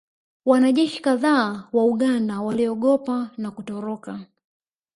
Wanajeshi kadhaa wa Uganda waliogopa na kutoroka